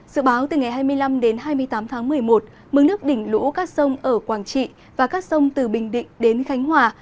dự báo từ ngày hai mươi năm đến hai mươi tám tháng một mươi một mức nước đỉnh lũ các sông ở quảng trị và các sông từ bình định đến khánh hòa